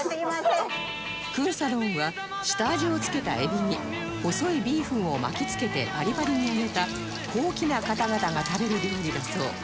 クンサローンは下味を付けたエビに細いビーフンを巻き付けてパリパリに揚げた高貴な方々が食べる料理だそう